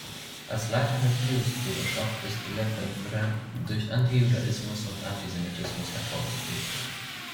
Als Leiter der Piusbruderschaft ist Lefebvre durch Antijudaismus und Antisemitismus hervorgetreten.